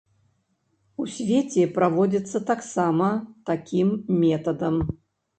У свеце праводзіцца таксама такім метадам.